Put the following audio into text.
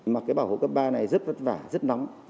mà cái bảo hộ cấp ba này rất vất vả rất nóng